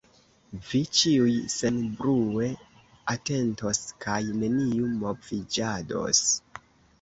Vi ĉiuj senbrue atentos kaj neniu moviĝados.